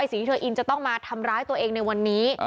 สิ่งที่เธออินจะต้องมาทำร้ายตัวเองในวันนี้